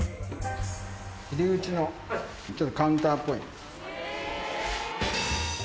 入り口のちょっとカウンターっぽいものを。